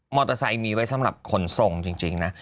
อเตอร์ไซค์มีไว้สำหรับขนส่งจริงนะ